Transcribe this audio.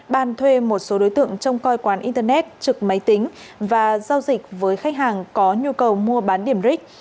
ban thuê một số đối tượng trông coi quán internet trực máy tính và giao dịch với khách hàng có nhu cầu mua bán điểm ric